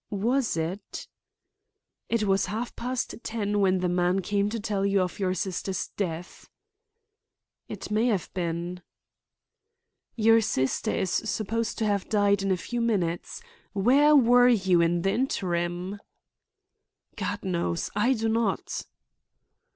"Was it?" "It was half past ten when the man came to tell you of your sister's death." "It may have been." "Your sister is supposed to have died in a few minutes. Where were you in the interim?" "God knows. I do not."